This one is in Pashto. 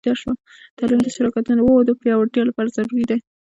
تعلیم د شراکتونو د پیاوړتیا لپاره ضروری دی.